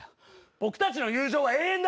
僕たちの友情は永遠だ。